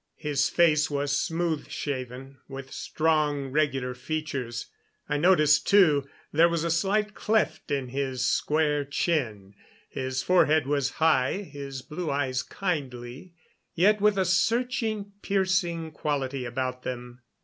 His face was smooth shaven, with strong, regular features. I noticed, too, there was a slight cleft in his square chin. His forehead was high, his blue eyes kindly, yet with a searching, piercing quality about them.